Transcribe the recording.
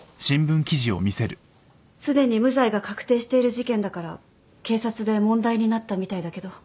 すでに無罪が確定している事件だから警察で問題になったみたいだけど。